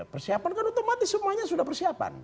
persiapan kan otomatis semuanya sudah persiapan